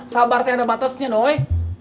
sabar teh ada batasnya doi